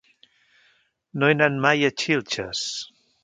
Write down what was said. No he anat mai a Xilxes.